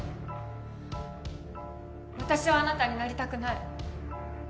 私はあなたになりたくない。